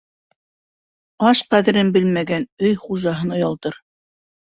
Аш ҡәҙерен белмәгән өй хужаһын оялтыр.